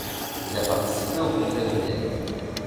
Il a participé au Congrès de Vienne.